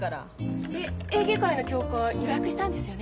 えっエーゲ海の教会予約したんですよね？